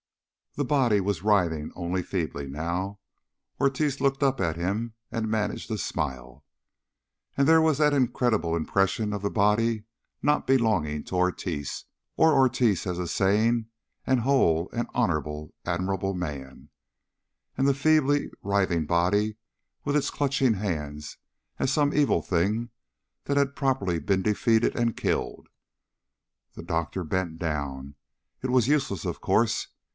The body was writhing only feebly, now. Ortiz looked up at him, and managed a smile. Again there was that incredible impression of the body not belonging to Ortiz, or Ortiz as a sane and whole and honorable, admirable man, and the feebly writhing body with its clutching hands as some evil thing that had properly been defeated and killed. The doctor bent down. It was useless, of course.